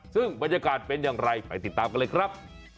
ซึ่งบรรยากาศเป็นอย่างไรไปติดตามกันเลยครับ